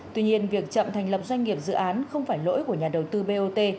tuy nhiên việc chậm thành lập doanh nghiệp dự án không phải lỗi của nhà đầu tư bot